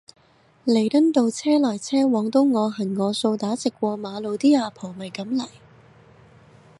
彌敦道車來車往都我行我素打直過馬路啲阿婆咪噉嚟